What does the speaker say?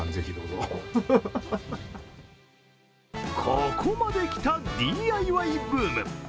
ここまできたＤＩＹブーム。